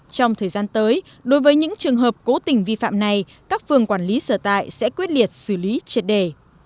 trong thời gian tới đối với những trường hợp cố tình vi phạm này các phường quản lý sở tại sẽ quyết liệt xử lý triệt đề